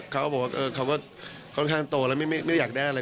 เขาก็บอกว่าถ้าก็ก็ทานโตแล้วไม่ได้อยากได้อะไร